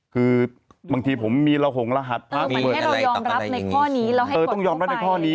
คือบางทีผมมีระหงรหัสมันให้เรายอมรับในข้อนี้